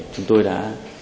chúng tôi đã